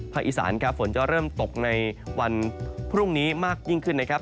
อีสานครับฝนจะเริ่มตกในวันพรุ่งนี้มากยิ่งขึ้นนะครับ